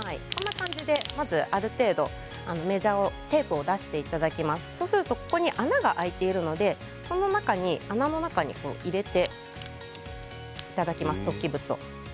まずある程度、メジャーをテープを出していただきまして穴が空いていますので、その中に入れていただきますと突起物を。